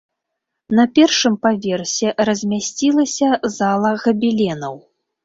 На першым паверсе размясцілася зала габеленаў.